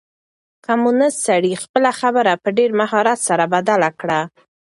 کمونيسټ سړي خپله خبره په ډېر مهارت سره بدله کړه.